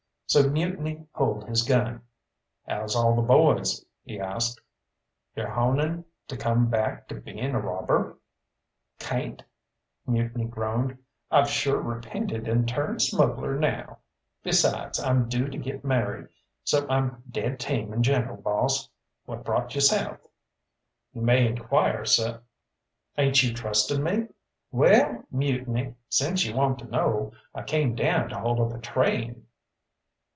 So Mutiny pulled his gun. "How's all the boys?" he asked. "You're honing to come back to being a robber?" "Cayn't," Mutiny groaned, "I've sure repented and turned smuggler now. Besides, I'm due to get married, so I'm dead tame and gentle, boss. What brought you south?" "You may inquire, seh." "Ain't you trusting me?" "Well, Mutiny, since you want to know, I came down to hold up a train."